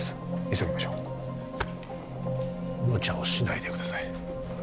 急ぎましょうむちゃをしないでください